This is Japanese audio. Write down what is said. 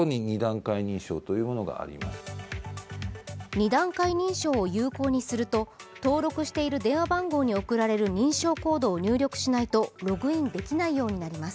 二段階認証を有効にすると登録している電話番号に送られる認証コードを入力しないとログインできないようになります。